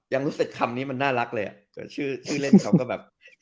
ยังรู้สึกคำนี้มันน่ารักเลยอ่ะเกิดชื่อเล่นเขาก็แบบ